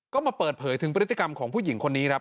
ก็มาเปิดเผยถึงพฤติกรรมของผู้หญิงคนนี้ครับ